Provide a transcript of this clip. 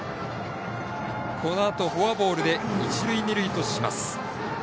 このあと、フォアボールで一塁、二塁とします。